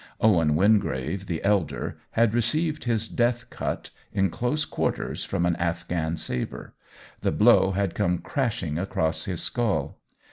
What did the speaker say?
Owen Win grave the elder had received his death cut, in close quarters, from an Afghan sabre ; the blow had come crashing across his skull.